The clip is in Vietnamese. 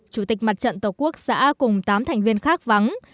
chủ tịch mặt trận tổ quốc xã cùng tám thành viên khác vắng